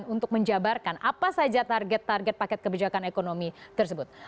dan untuk menjabarkan apa saja target target paket kebijakan ekonomi tersebut